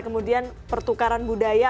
kemudian pertukaran budaya